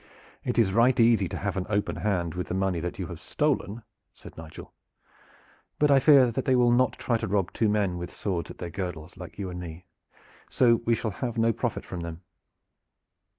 "It is right easy to have an open hand with the money that you have stolen," said Nigel; "but I fear that they will not try to rob two men with swords at their girdles like you and me, so we shall have no profit from them."